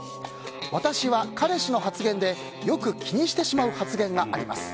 私は、彼氏の発言で気にしてしまう発言があります。